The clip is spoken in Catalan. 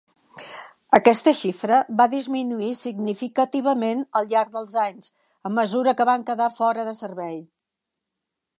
Aquesta xifra va disminuir significativament al llarg dels anys a mesura que van quedar fora de servei.